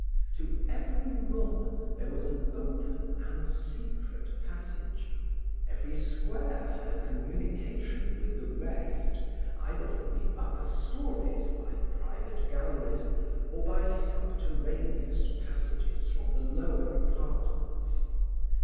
To every room there was an open and secret passage; every square had a communication with the rest, either from the upper storeys by private galleries, or by subterraneous passages from the lower apartments.